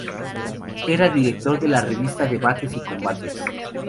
Era director de la revista "Debates y Combates".